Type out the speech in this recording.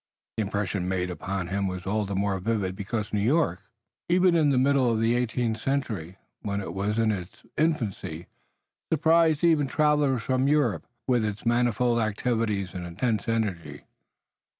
The impression made upon him was all the more vivid because New York, even in the middle of the eighteenth century, when it was in its infancy, surprised even travelers from Europe with its manifold activities and intense energy.